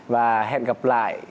và hẹn gặp lại